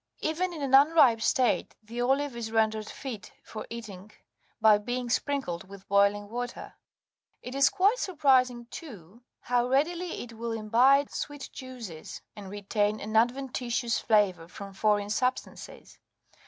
Even in an unripe state the olive is rendered fit for eating by being sprinkled with boiling water ; it is quite surprising, too, how readily it will imbibe sweet juices, and retain an adventitious flavour from foreign substances.